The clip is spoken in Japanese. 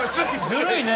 ずるいね。